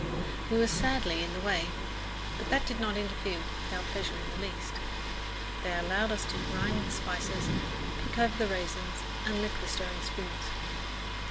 We were sadly in the way, but that did not interfere with our pleasure in the least. They allowed us to grind the spices, pick over the raisins and lick the stirring spoons.